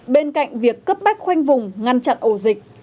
bên cạnh việc cấp bách khoanh vùng ngăn chặn ổ dịch